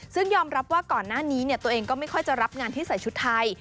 ซึ่งยอมรับว่าก่อนหน้านี้ตัวเองก็ไม่ค่อยจะรับงานที่ใส่ชุดไทย